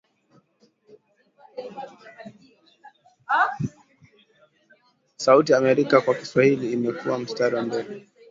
sauti ya Amerika kwa Kiswahili imekua mstari wa mbele